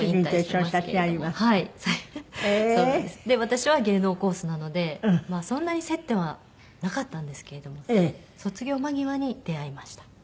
で私は芸能コースなのでそんなに接点はなかったんですけれども卒業間際に出会いました。